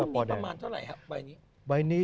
ประมาณเท่าไหร่ครับใบนี้